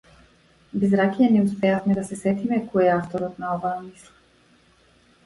Без ракија не успеавме да се сетиме кој е авторот на оваа мисла.